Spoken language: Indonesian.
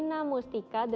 nah kalau ini konsultasi